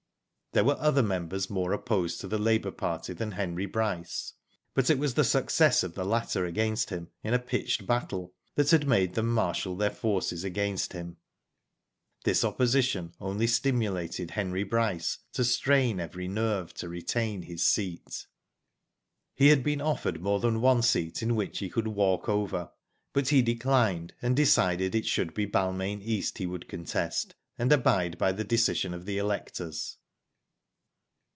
There were other members more opposed to the labour party than Henry Bryce; but it was the success of the latter against them in a pitched battle that had made them marshal iheir forces against him. . This opposition only stimulated Henry Bryce to strain every nerve to retain his seat. He had been offered more than one seat in which he could *' walk over,'' but he declined, and decided it should be Balmain East he would contest, and abide by the decision of the electors.